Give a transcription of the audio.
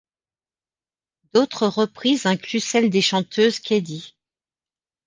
D'autres reprises incluent celles des chanteuses k.d.